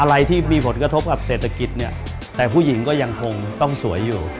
อะไรที่มีผลกระทบกับเศรษฐกิจเนี่ยแต่ผู้หญิงก็ยังคงต้องสวยอยู่